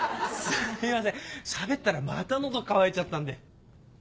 すいませんしゃべったらまた喉渇いちゃったんで。